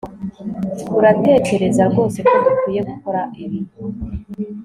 uratekereza rwose ko dukwiye gukora ibi